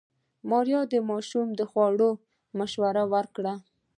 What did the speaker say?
ماريا د ماشوم د خوړو مشوره ورکړه.